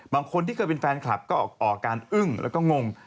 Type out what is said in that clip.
บางคนที่เคยเป็นแฟนคลับก็ออกการอึ้งแล้วก็งง